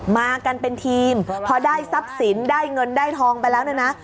มากันเป็นทีมพอได้ทรัพย์สินได้เงินได้ทองไปแล้วเนี่ยนะ